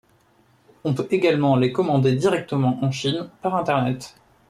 On peut également les commander directement en Chine par internet.